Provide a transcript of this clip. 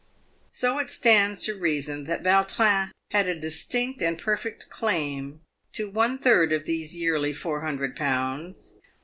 So it stands to reason that Yautrin had a distinct and perfect claim to one third of these yearly four hundred pounds.